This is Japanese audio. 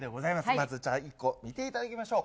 まずじゃあ１個、見ていただきましょう。